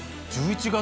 １１月？